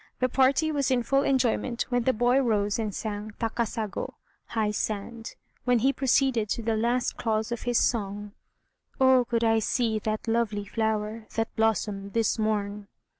The party was in full enjoyment when the boy rose and sang "Takasago" (high sand). When he proceeded to the last clause of his song, "Oh, could I see that lovely flower, That blossomed this morn!"